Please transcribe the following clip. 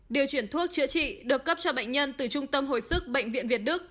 điều chuyển thuốc chữa trị được cấp cho bệnh nhân từ trung tâm hồi sức bệnh viện việt đức